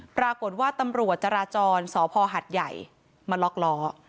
ปรากฏว่าตำรวจจราจรสพหัดใหญ่มาล็อกล้อ